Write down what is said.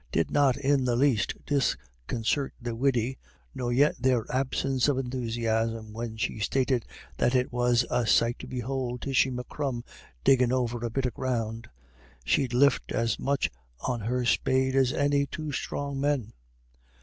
did not in the least disconcert the widdy, nor yet their absence of enthusiasm when she stated that it was "a sight to behould Tishy M'Crum diggin' over a bit of ground; she'd lift as much on her spade as any two strong men."